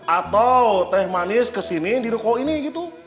atau teh manis kesini di ruko ini gitu